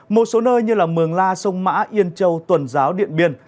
một số nơi như mường la sông mã yên châu tuần giáo điện biên